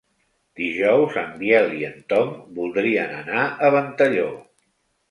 Dijous en Biel i en Tom voldrien anar a Ventalló.